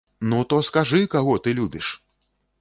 Ну, то скажы, каго ты любіш?